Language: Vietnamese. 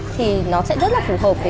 thì nó sẽ rất là phù hợp